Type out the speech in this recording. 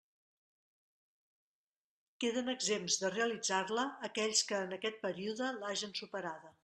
Queden exempts de realitzar-la aquells que, en aquest període, l'hagen superada.